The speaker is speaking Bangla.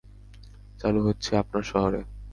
চালু হচ্ছে আপনার শহরে!